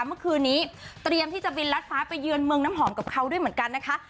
เมื่อคืนนี้เตรียมที่จะบินรัดฟ้าไปเยือนเมืองน้ำหอมกับเขาด้วยเหมือนกันนะคะ